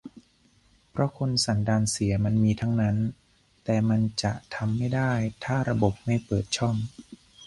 เพราะคนสันดานเสียมันมีทั้งนั้น แต่มันจะทำไม่ได้ถ้าระบบไม่เปิดช่อง